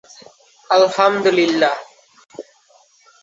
শুধু খ্রিস্ট রূপে এর ব্যবহারও তুলনীয়।